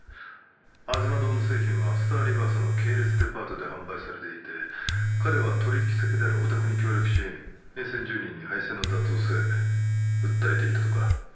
吾妻堂の製品はスターリバーズの系列デパートで販売されていて彼は取引先であるおたくに協力し沿線住民に廃線の妥当性訴えていたとか。